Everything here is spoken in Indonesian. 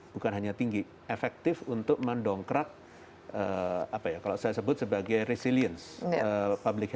bukan hanya tinggi efektif untuk mendongkrak kalau saya sebut sebagai resiliensi